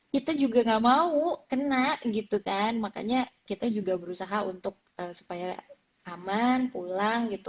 kita juga gak mau kena gitu kan makanya kita juga berusaha untuk supaya aman pulang gitu